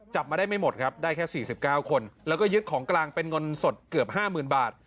มาได้ไม่หมดครับได้แค่๔๙คนแล้วก็ยึดของกลางเป็นเงินสดเกือบ๕๐๐๐บาท